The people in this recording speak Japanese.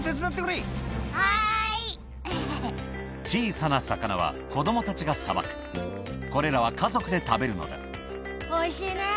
小さな魚は子供たちがさばくこれらは家族で食べるのだおいしいね。